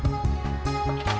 gak usah banyak ngomong